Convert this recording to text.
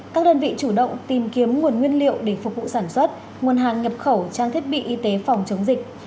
các đơn vị chủ động tìm kiếm nguồn nguyên liệu để phục vụ sản xuất nguồn hàng nhập khẩu trang thiết bị y tế phòng chống dịch